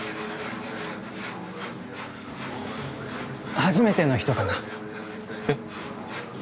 初めての人かな？えっ？